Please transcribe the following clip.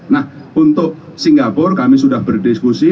nah untuk singapura kami sudah berdiskusi